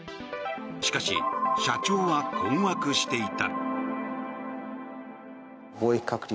しかし、社長は困惑していた。